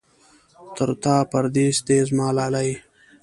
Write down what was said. تر تا پردېس دی زما لالی.